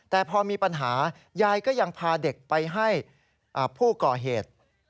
แต่พอมีปัญหายายก็ยังพาเด็กไปให้ผู้ก่อเหตุ